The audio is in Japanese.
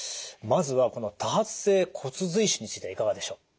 まずはこの多発性骨髄腫についてはいかがでしょう？